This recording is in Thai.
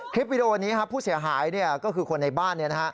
คลิปวิดีโอวันนี้ผู้เสียหายก็คือคนในบ้านนี่